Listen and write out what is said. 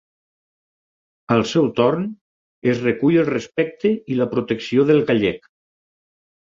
Al seu torn, es recull el respecte i la protecció del gallec.